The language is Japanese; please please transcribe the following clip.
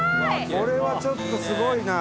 これはちょっとすごいな！